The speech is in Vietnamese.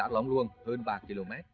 lóng luông hơn ba km